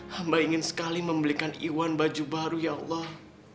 hamba ingin sekali membelikan iwan baju baru ya allah